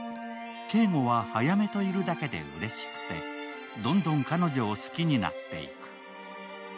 圭吾は、あやめといるだけでうれしくてどんどん彼女を好きになっていく。